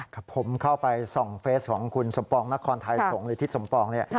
ครับผมเข้าไป๒เฟสของคุณสมปองนครไทยส่งลิทธิสมปองเนี่ย